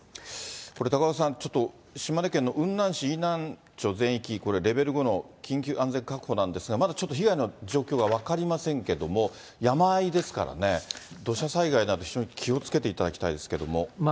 これ、高岡さん、島根県の雲南市、飯南町全域、これ、レベル５の緊急安全確保なんですが、まだちょっと被害の状況は分かりませんけれども、山あいですからね、土砂災害など、非常に気をつけていただきたいですけれども。